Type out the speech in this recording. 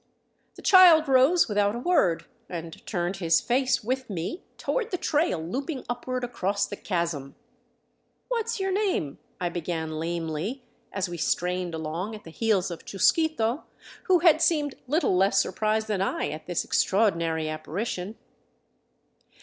The child rose without a word and turned his face with me toward the trail looping upward across the chasm. " What 's your name ?" I began lamely, as we strained along at the heels of Chusquito, who had seemed little less surprised than I at this extraordinary apparition.